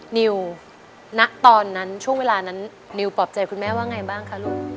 นิวณตอนนั้นช่วงเวลานั้นนิวปลอบใจคุณแม่ว่าไงบ้างคะลูก